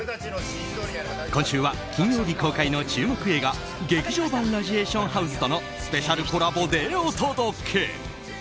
今週は金曜日公開の注目映画「劇場版ラジエーションハウス」とのスペシャルコラボでお届け。